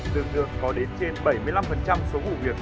tương đương có đến trên bảy mươi năm số vụ việc